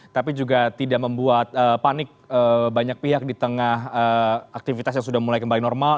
tapi juga tidak membuat panik banyak pihak di tengah aktivitas yang sudah mulai kembali normal